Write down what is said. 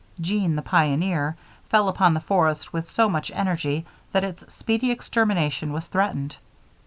Jean, the pioneer, fell upon the forest with so much energy that its speedy extermination was threatened.